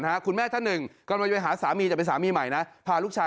ฮะคุณแม่จะหนึ่งก็มาไปหาสามีจากเป็นสารนะพาลูกชาย